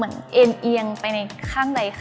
บางทีการเราเอาอารมณ์ของเราไปใส่ในเนื้อเรื่องมากเกินไป